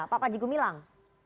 pak panji gumilang